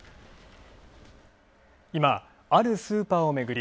今、あるスーパーをめぐり